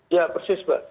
ya persis mbak